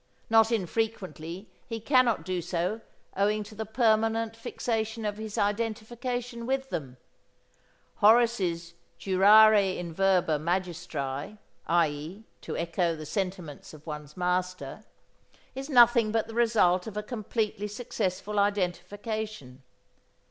Not infrequently he cannot do so owing to the permanent fixation of his identification with them. Horace's "Jurare in verba magistri" (i.e., to echo the sentiments of one's master) is nothing but the result of a completely successful identification.